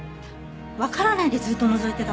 わからないでずっとのぞいてたんですか？